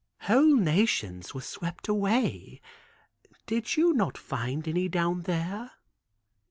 "Whole nations were swept away. Did you not find any down there?"